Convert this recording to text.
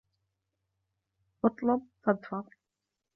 اطلب تظفر